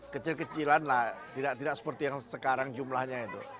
kecil kecilan lah tidak seperti yang sekarang jumlahnya itu